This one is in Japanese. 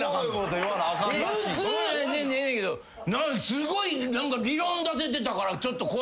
すごい理論立ててたからちょっと怖かった。